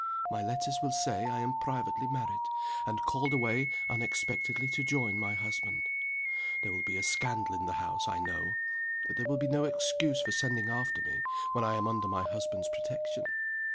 My letters will say I am privately married, and called away unexpectedly to join my husband. There will be a scandal in the house, I know. But there will be no excuse for sending after me, when I am under my husband's protection.